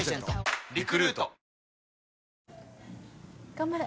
頑張れ！